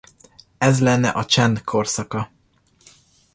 Ez lenne a Csend Korszaka.